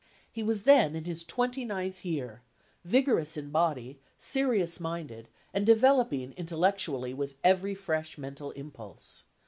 He was then in his twenty ninth year, vigorous in body, serious minded, and developing intellectually with every fresh mental impulse.